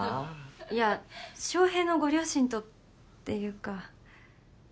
いや翔平のご両親とっていうか。